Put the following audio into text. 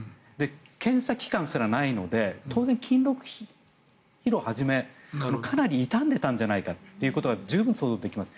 検査機関すらないので当然、金属疲労をはじめかなり傷んでたんじゃないかということが想像できます。